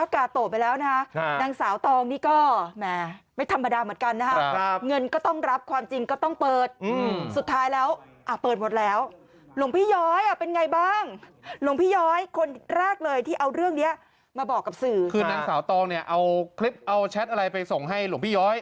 คือนางสาวตองเนี่ยเอาคลิปเอาแชทอะไรไปส่งให้หลวงพี่ย้อย